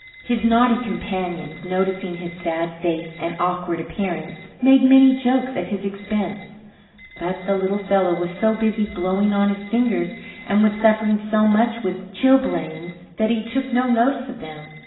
His naughty companions noticing his sad face and awkward appearance, made many jokes at his expense; but the little fellow was so busy blowing on his fingers, and was suffering so much with chilblains, that he took no notice of them.